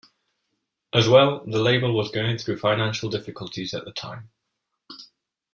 As well, the label was going through financial difficulties at the time.